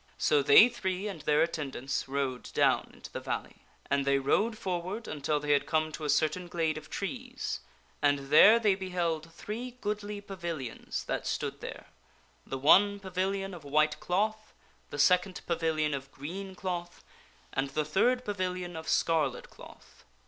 So they three and their attendants rode down into the valley. And they rode forward until they had come to a certain glade of trees and there they beheld three goodly pavilions that stood there : the one pavilion of white cloth, the second pavilion of green cloth, and the third pavilion of scarlet cloth.